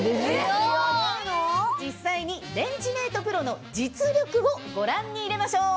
実際にレンジメートプロの実力をご覧に入れましょう！